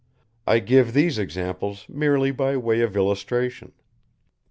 I give these examples merely by way of illustration.